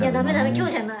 今日じゃない。